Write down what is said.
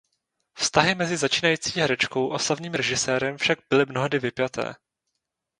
Vztahy mezi začínající herečkou a slavným režisérem však byly mnohdy napjaté.